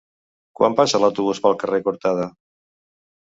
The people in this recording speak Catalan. Quan passa l'autobús pel carrer Cortada?